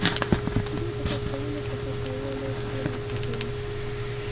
• شیدې د خوب کولو په ښه کولو کې مرسته کوي.